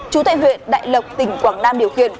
chú tại huyện đại lộc tỉnh quảng nam điều khiển